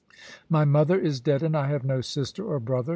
My mother is dead, and I have no sister or brother.